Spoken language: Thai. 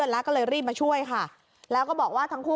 เพราะว่าที่พี่ไปดูมันเหมือนกับมันมีแค่๒รู